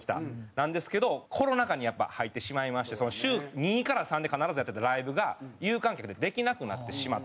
なんですけどコロナ禍にやっぱ入ってしまいまして週２から３で必ずやってたライブが有観客でできなくなってしまった。